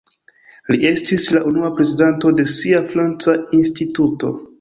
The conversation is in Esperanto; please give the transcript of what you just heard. Li estis la unua prezidanto de sia franca instituto.